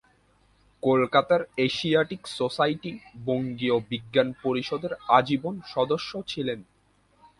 কলকাতার Asiatic Society বঙ্গীয় বিজ্ঞান পরিষদের আজীবন সদস্য ছিলেন।